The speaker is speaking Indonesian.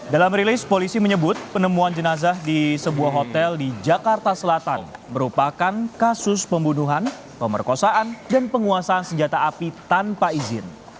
dalam rilis polisi menyebut penemuan jenazah di sebuah hotel di jakarta selatan merupakan kasus pembunuhan pemerkosaan dan penguasaan senjata api tanpa izin